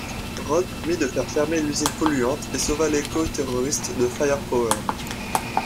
Rhodes promit de faire fermer l'usine polluante et sauva l’éco-terroriste de Firepower.